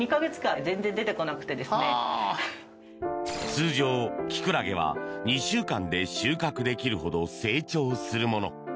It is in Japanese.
通常、キクラゲは２週間で収穫できるほど成長するもの。